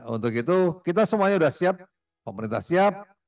untuk itu kita semuanya sudah siap pemerintah siap